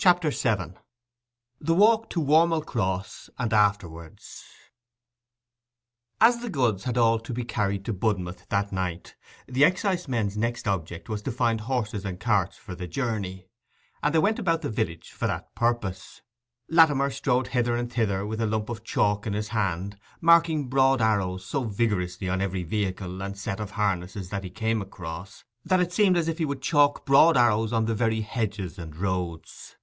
CHAPTER VII—THE WALK TO WARM'ELL CROSS AND AFTERWARDS As the goods had all to be carried to Budmouth that night, the excisemen's next object was to find horses and carts for the journey, and they went about the village for that purpose. Latimer strode hither and thither with a lump of chalk in his hand, marking broad arrows so vigorously on every vehicle and set of harness that he came across, that it seemed as if he would chalk broad arrows on the very hedges and roads.